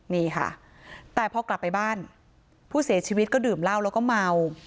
นี่ค่ะแต่พอกลับไปบ้านผู้เสียชีวิตก็ดื่มเหล้าแล้วก็เมา